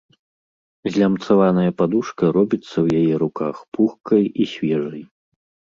Злямцаваная падушка робіцца ў яе руках пухкай і свежай.